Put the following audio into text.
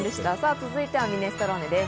続いてはミネストローネです。